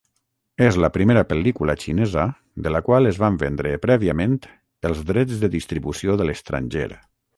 És la primera pel·lícula xinesa de la qual es van vendre prèviament els drets de distribució de l'estranger.